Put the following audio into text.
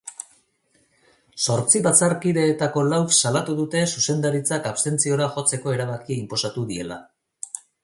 Zortzi batzarkideetako lauk salatu dute zuzendaritzak abstentziora jotzeko erabakia inposatu diela.